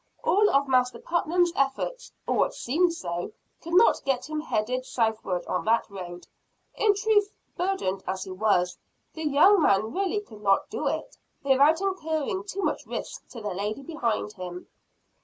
All of Master Putnam's efforts or what seemed so could not get him headed southward on that road. In truth, burdened as he was, the young man really could not do it, without incurring too much risk to the lady behind him.